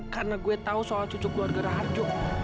karena gue tahu soal cucuk luar gerah